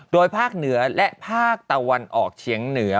โดยภาคเหนือและภาคตะวันออกเฉียงเหนือ